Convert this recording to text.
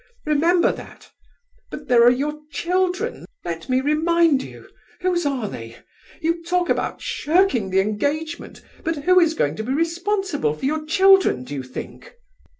Remember that. But there are your children, let me remind you. Whose are they? You talk about shirking the engagement, but who is going to be responsible for your children, do you think?"